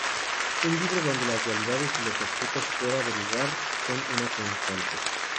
Un libro donde las dualidades y los objetos fuera de lugar son una constante.